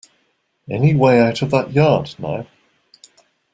Any way out of that yard, now?